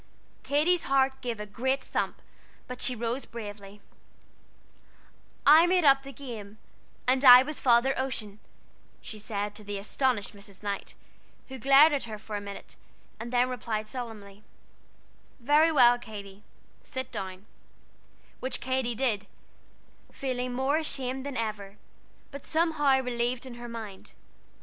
Katy's heart gave a great thump, but she rose bravely: "I made up the game, and I was Father Ocean," she said to the astonished Mrs. Knight, who glared at her for a minute, and then replied solemnly: "Very well, Katy sit down;" which Katy did, feeling more ashamed than ever, but somehow relieved in her mind.